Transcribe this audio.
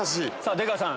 出川さん